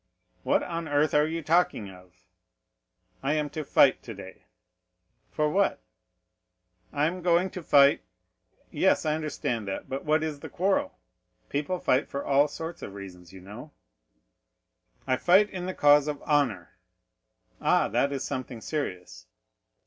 "What on earth are you talking of?" "I am to fight today." "For what?" "For the sake of fighting!" "Yes, I understand that, but what is the quarrel? People fight for all sorts of reasons, you know." "I fight in the cause of honor." "Ah, that is something serious."